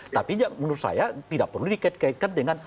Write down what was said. tapi menurut saya tidak perlu dikait kaitkan dengan